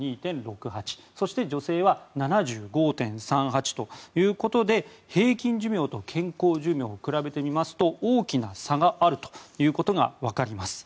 そして、女性は７５．３８ということで平均寿命と健康寿命を比べてみますと大きな差があるということが分かります。